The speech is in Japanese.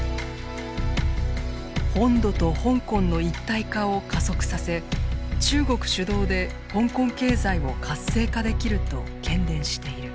本土と香港の一体化を加速させ中国主導で香港経済を活性化できるとけんでんしている。